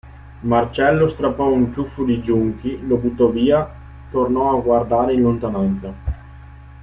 Marcello strappò un ciuffo di giunchi, lo buttò via, tornò a guardare in lontananza.